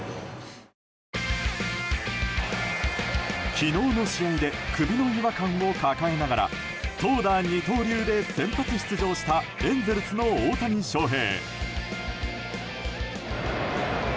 昨日の試合で首の違和感を抱えながら投打二刀流で先発出場したエンゼルスの大谷翔平。